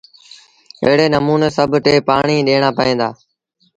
ايڙي نموٚني سڀ ٽي پآڻيٚ ڏيڻآݩ پئيٚن دآ۔